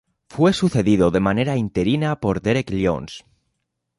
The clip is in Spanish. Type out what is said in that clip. Fue sucedido de manera interina por Derek Lyons.